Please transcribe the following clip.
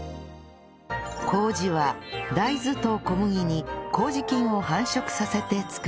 麹は大豆と小麦に麹菌を繁殖させて作ります